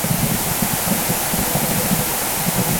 তিনি লাল রঙের উটের উপর সওয়ার ছিলেন।